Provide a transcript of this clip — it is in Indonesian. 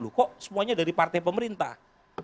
loh kok semuanya dari partai pemerintah